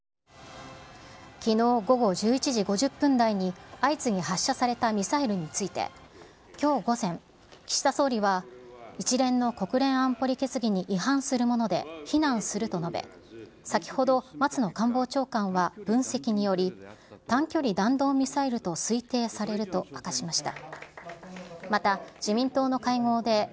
きのう午後１１時５０分台に、相次ぎ発射されたミサイルについて、きょう午前、岸田総理は、一連の国連安保理決議に違反するもので、非難すると述べ、先ほど松野官房長官は分析により、短距離弾道ミサイルと推定されると明かしました。